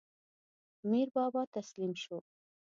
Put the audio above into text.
میربابا تسلیم شو.